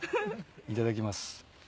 いただきます。